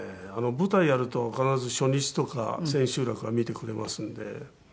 舞台やると必ず初日とか千秋楽は見てくれますんで。